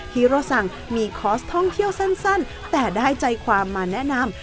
ฮีโรสังมีคอร์สท่องเที่ยวสั้นแต่ได้ใจความมาแนะนำ